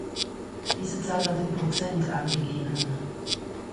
Diese Zahl wird in Prozent angegeben.